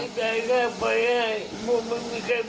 ไม่ได้เงินไฟมันมีแค่เงินไฟ